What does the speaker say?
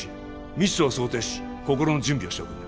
ミスを想定し心の準備をしておくんだ